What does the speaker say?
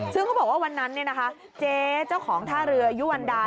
ซึ่งเขาบอกว่าวันนั้นเจ๊เจ้าของท่าเรือยุวันดา